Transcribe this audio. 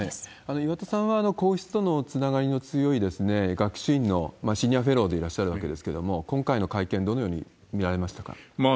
岩田さんは皇室とのつながりの強い学習院のシニアフェローでいらっしゃるわけですけれども、今回の会見、どのように見られましたか？